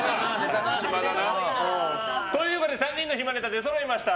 暇だな。ということで３人の暇ネタが出そろいました。